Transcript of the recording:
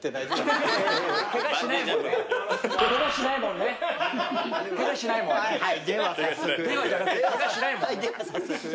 「では」じゃなくてケガしないもんね？